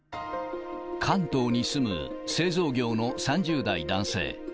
関東に住む製造業の３０代男性。